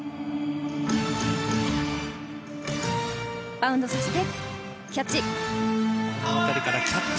バウンドさせてキャッチ。